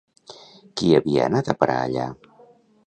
Qui havia anat a parar allà?